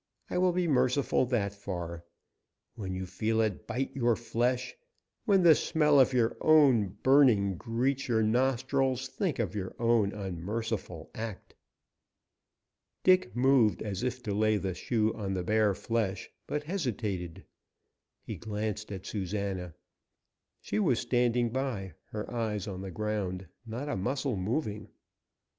I will be merciful that far. When you feel it bite your flesh, when the smell of your own burning greets your nostrils, think of your own unmerciful act." Dick moved as if to lay the shoe on the bare flesh, but hesitated. He glanced at Susana. She was standing by, her eyes on the ground, not a muscle moving.